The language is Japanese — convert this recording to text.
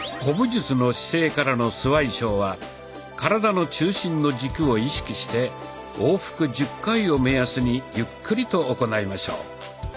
古武術の姿勢からのスワイショウは体の中心の軸を意識して往復１０回を目安にゆっくりと行いましょう。